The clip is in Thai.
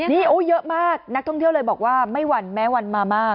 นี่เยอะมากนักท่องเที่ยวเลยบอกว่าไม่หวั่นแม้วันมามาก